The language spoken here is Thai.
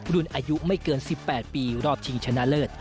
รุ่นอายุไม่เกิน๑๘ปีรอบชิงชนะเลิศ